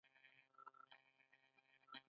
هڅه مو کول، د یوډین شاته پر فرعي لارو باندې.